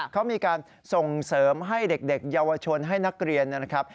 เขามีการส่งเสริมให้เด็กเยาวชนให้นักเรียนนะครับ